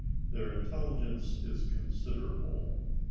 Their intelligence is considerable.